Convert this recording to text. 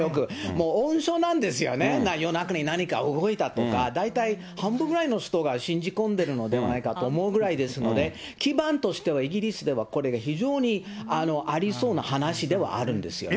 もう温床なんですよね、夜中に何か動いたとか、半分ぐらいの人が信じ込んでるのではないかと思うぐらいですので、基盤としてはイギリスではこれが非常にありそうな話ではあるんですよね。